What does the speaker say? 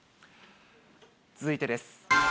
続いてです。